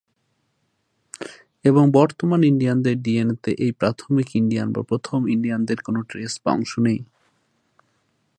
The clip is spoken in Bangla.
এবং বর্তমান ইন্ডিয়ানদের ডিএনএ-তে এই প্রাথমিক ইন্ডিয়ান বা প্রথম ইন্ডিয়ানদের কোন ট্রেস বা অংশ নেই।